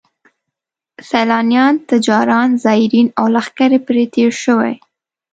سیلانیان، تجاران، زایرین او لښکرې پرې تېر شوي.